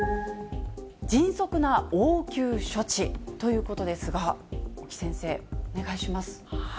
迅速な応急処置ということですが、大木先生、お願いします。